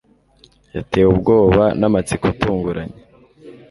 Yatewe ubwoba namatsiko atunguranye